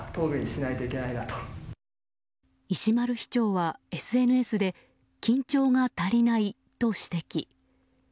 石丸市長はＳＮＳで緊張が足りないと指摘。